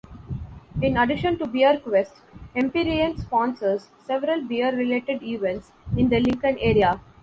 In addition to "BeerQuest", Empyrean sponsors several beer-related events in the Lincoln area.